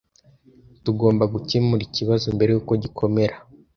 Tugomba gukemura ikibazo mbere yuko gikomera.